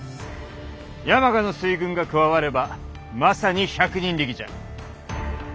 山鹿の水軍が加わればまさに百人力じゃ。